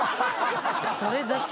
それだけ？